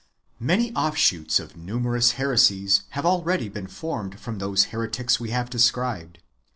Many offshoots of numerous heresies have already been formed from those heretics we have described.